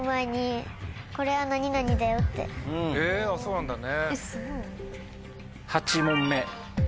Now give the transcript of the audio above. へぇそうなんだね。